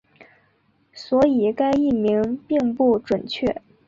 所以该译名并不准确。